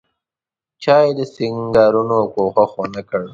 چا یې د سینګارولو کوښښ ونکړ.